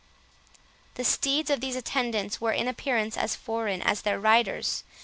The steeds of these attendants were in appearance as foreign as their riders.